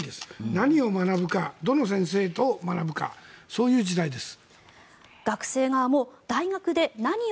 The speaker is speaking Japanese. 何を学ぶか、どの先生と学ぶかそういう時代です。